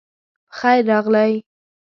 پخير راغلئ